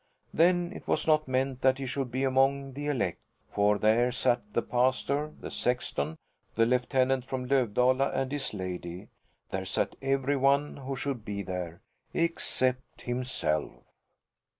Then it was not meant that he should be among the elect, for there sat the pastor, the sexton, the lieutenant from Lövdala and his lady there sat every one who should be there, except himself.